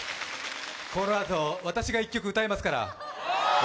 このあと私が１曲歌いますから。